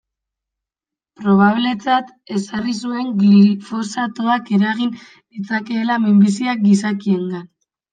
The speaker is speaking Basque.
Probabletzat ezarri zuen glifosatoak eragin ditzakeela minbiziak gizakiengan.